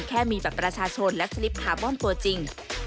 แค่มีบัตรประชาชนและสลิปคาร์บอนตัวจริง